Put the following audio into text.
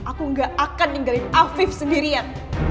aku gak akan ninggalin afif sendirian